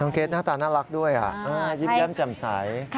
เกรทหน้าตาน่ารักด้วยยิ้มแย้มแจ่มใส